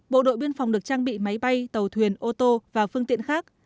bộ đội biên phòng được trang bị máy bay tàu thuyền ô tô và phương tiện khác